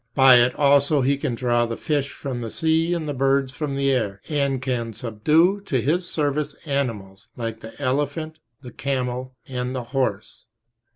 By it also he can draw the fish from the sea and the birds from the air, and can subdue to his service animals, like the elephant, the camel, and the horse.